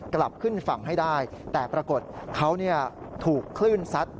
กลับขึ้นฝั่งให้ได้แต่ปรากฏเขาถูกคลื่นซัด